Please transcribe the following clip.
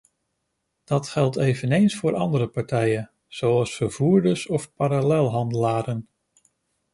Dat geldt eveneens voor andere partijen, zoals vervoerders of parallelhandelaren.